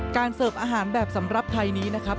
เสิร์ฟอาหารแบบสำหรับไทยนี้นะครับ